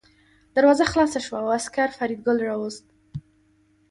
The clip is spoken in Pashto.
دروازه خلاصه شوه او عسکر فریدګل راوست